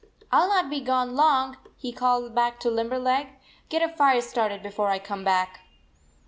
"I ll not be gone long," he called 79 back to Limberleg. " Get a fire started be fore I come back."